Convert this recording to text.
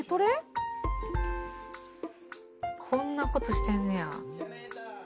こんなことしてんねや。